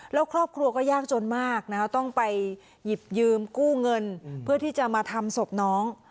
แล้วครอบครัวก็ยากจนมากนะคะต้องไปหยิบยืมกู้เงินเพื่อที่จะมาทำศพน้อง